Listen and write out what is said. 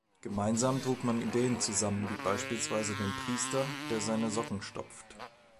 Gemeinsam trug man Ideen zusammen, wie beispielsweise den Priester, der seine Socken stopft.